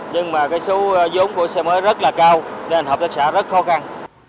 nhưng mà cái số giống của xe mới rất là cao nên hợp tác xã rất khó khăn